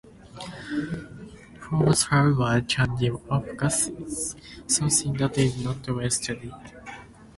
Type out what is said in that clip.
Foams, however, can give off gasses, something that is not well studied.